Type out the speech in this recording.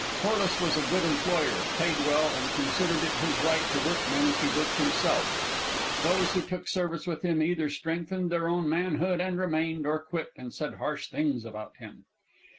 Corliss was a good employer, paid well, and considered it his right to work men as he worked himself. Those who took service with him either strengthened their own manhood and remained, or quit and said harsh things about him.